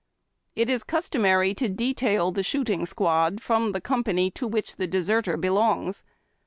It is customary to detail the shooting squad from the company to which the deserter belongs.